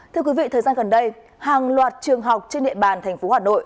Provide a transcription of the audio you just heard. thưa quý vị thời gian gần đây hàng loạt trường học trên địa bàn tp hà nội